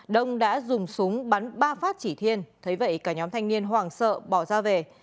đông đã dùng súng bắn ba phát chỉ thiên thấy vậy cả nhóm thanh niên hoảng sợ bỏ ra về